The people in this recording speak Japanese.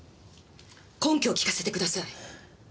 根拠を聞かせてください。